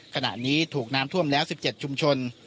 ขณะนี้ถูกน้ำท่วมแล้ว๑๗ชุมชน